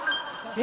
え？